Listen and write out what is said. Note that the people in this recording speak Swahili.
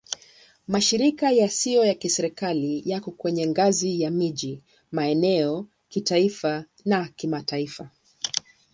Mashirika yasiyo ya Kiserikali yako kwenye ngazi ya miji, maeneo, kitaifa na kimataifa.